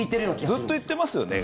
ずっと言ってますよね。